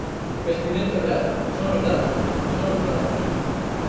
Investimento real, son os datos, son os datos.